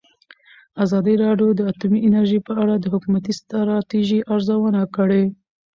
ازادي راډیو د اټومي انرژي په اړه د حکومتي ستراتیژۍ ارزونه کړې.